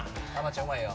うまいよ・